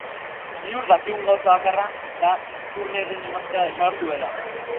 Ziur dakigun gauza bakarra da Turnerren emaztea desagertu dela.